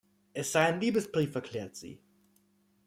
Es sei ein Liebesbrief, erklärt sie.